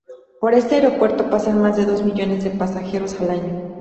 Por este aeropuerto pasan más de dos millones de pasajeros al año.